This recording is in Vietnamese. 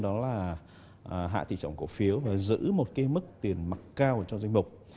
đó là hạ thị trọng cổ phiếu và giữ một cái mức tiền mặt cao cho doanh mục